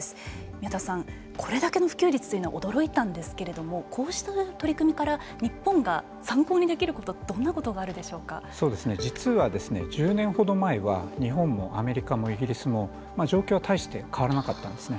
宮田さん、これだけの普及率というのは驚いたんですけれどもこうした取り組みから日本が参考にできること実はですね、１０年ほど前は日本もアメリカもイギリスも状況は大して変わらなかったんですね。